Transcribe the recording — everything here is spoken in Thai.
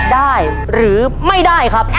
ได้หรือไม่ได้ครับ